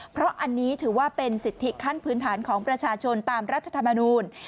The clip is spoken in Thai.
เพราะอันนี้ถือว่าเป็นสิทธิขั้นพื้นฐานของประชาชนตามรัฐธรรมนูล